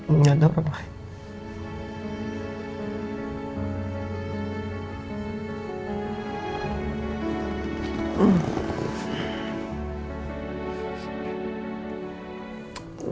enggak ada orang lain